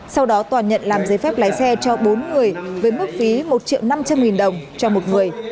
sau đó toàn nhận làm giấy phép lái xe cho bốn người với mức phí một triệu năm trăm linh nghìn đồng cho một người